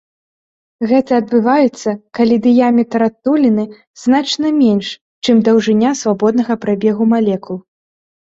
Гэта адбываецца, калі дыяметр адтуліны значна менш, чым даўжыня свабоднага прабегу малекул.